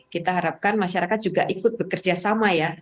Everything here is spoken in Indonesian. kita harapkan masyarakat juga ikut bekerja sama ya